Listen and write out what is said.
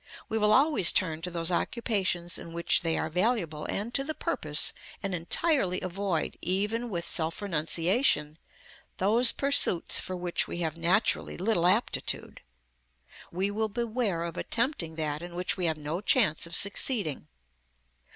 We will always turn to those occupations in which they are valuable and to the purpose, and entirely avoid, even with self renunciation, those pursuits for which we have naturally little aptitude; we will beware of attempting that in which we have no chance of succeeding.